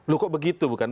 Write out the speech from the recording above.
lu kok begitu bukan